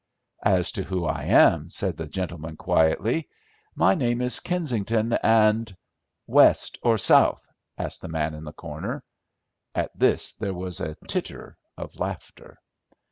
"As to who I am," said the gentleman, quietly, "my name is Kensington, and—" "West or South?" asked the man in the corner. At this there was a titter of laughter.